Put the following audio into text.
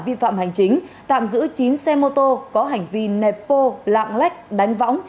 vi phạm hành chính tạm giữ chín xe mô tô có hành vi nẹp bô lạng lách đánh võng